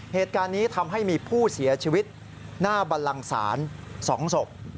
เหตุการณ์นี้ทำให้มีผู้เสียชีวิตหน้าบันลังศาล๒ศพ